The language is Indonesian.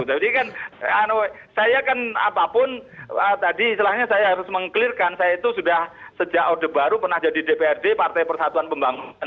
jadi kan saya kan apapun tadi istilahnya saya harus meng clearkan saya itu sudah sejak orde baru pernah jadi dprd partai persatuan pembangunan